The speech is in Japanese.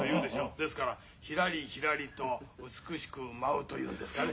ですからひらりひらりと美しく舞うというんですかね。